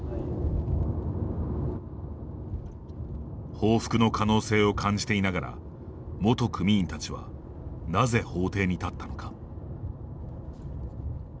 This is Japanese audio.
報復の可能性を感じていながら元組員たちはなぜ法廷に立ったのか？